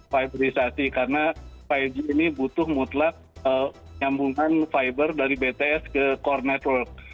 fiberisasi karena lima g ini butuh mutlak nyambungan fiber dari bts ke core network